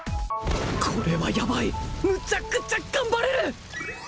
これはヤバいむちゃくちゃ頑張れる！